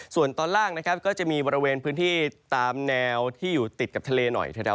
ส่วนตอนล่างนะครับก็จะมีบริเวณพื้นที่ตามแนวที่อยู่ติดกับทะเลหน่อย